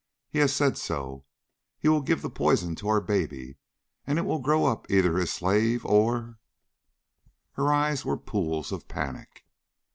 He has said so.... He will give that poison to our baby.... And it will grow up either his slave, or " Her eyes were pools of panic.